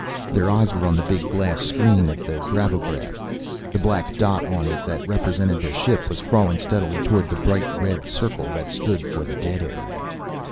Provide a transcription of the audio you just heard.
Their eyes were on the big glass screen of the gravograph. The black dot on it that represented their ship was crawling steadily toward the bright red circle that stood for the dead area....